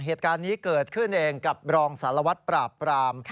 เหตุการณ์นี้เกิดขึ้นเองกับรองสารวัตรปราบปราม